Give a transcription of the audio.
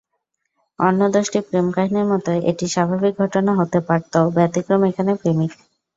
অন্য দশটি প্রেমকাহিনির মতো এটি স্বাভাবিক ঘটনা হতে পারত, ব্যতিক্রম এখানে প্রেমিক।